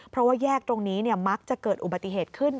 เพราะว่าแยกตรงนี้มักจะเกิดอุบัติเหตุขึ้น